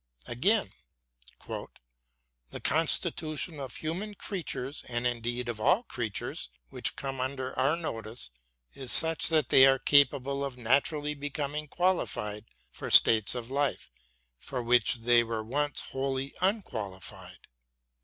Again : The constitution of human creatures, and indeed of all crea tures which come under our notice, is such that they are capable of naturally becoming qualified for states of life for which they were once wholly unqualified.